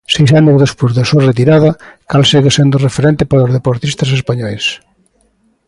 Seis anos despois da súa retirada, Cal segue sendo referente para os deportistas españois.